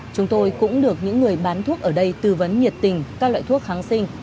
chúng tôi cũng được những người bán thuốc ở đây tư vấn nhiệt tình các loại thuốc kháng sinh